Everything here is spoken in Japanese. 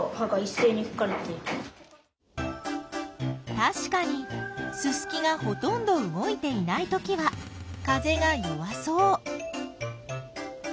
たしかにススキがほとんど動いていないときは風が弱そう。